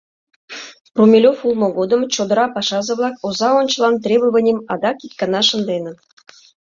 Румелёв улмо годым чодыра пашазе-влак оза ончылан требованийым адак ик гана шынденыт.